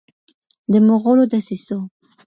د مغولو دسیسو